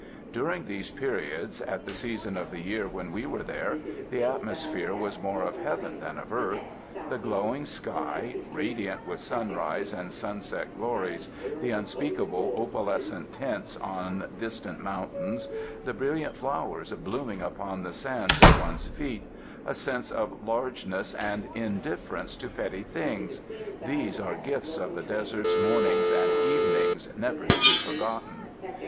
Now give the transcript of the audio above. During these periods at the season of the year when we were there, the atmosphere was more of heaven than of earth. The glowing sky, radiant with sunrise and sunset glories; the unspeakable opalescent tints on distant mountains; the brilliant flowers blooming upon the sands at one's feet; a sense of largeness and indifference to petty things — these are gifts of the desert's mornings and even ings never to be forgotten.